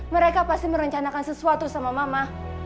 mereka pasti merencanakan sesuatu sama mama